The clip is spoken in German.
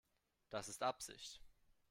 Das ist Absicht.